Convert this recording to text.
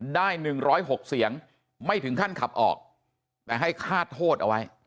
ได้๑๐๖เสียงไม่ถึงขั้นขับออกแต่ให้คาดโทษเอาไว้